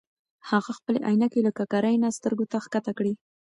هغه خپلې عینکې له ککرۍ نه سترګو ته ښکته کړې.